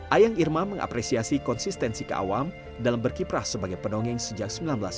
ayang irma mengapresiasi konsistensi keawam dalam berkiprah sebagai pendongeng sejak seribu sembilan ratus sembilan puluh